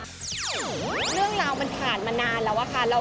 เรื่องราวมันผ่านมานานแล้วอะค่ะ